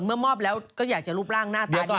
มอบแล้วก็อยากจะรูปร่างหน้าตาดี